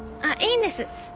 あっいいんです！